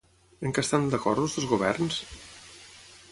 En què estan d'acord els dos governs?